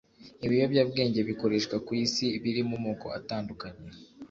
Ibiyobyabwenge bikoreshwa ku isi biri mu moko atandukanye